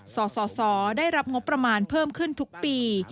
สสได้รับงบประมาณเพิ่มขึ้นทุกปี